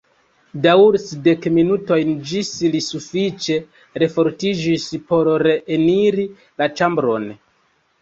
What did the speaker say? Daŭris dek minutojn ĝis li sufiĉe refortiĝis por reeniri la ĉambron.